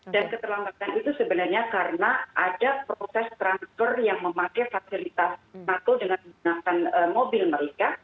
dan keterlambatan itu sebenarnya karena ada proses transfer yang memakai fasilitas makul dengan gunakan mobil mereka